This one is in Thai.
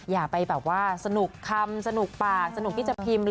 อย่าไปแบบว่าสนุกคำสนุกปากสนุกที่จะพิมพ์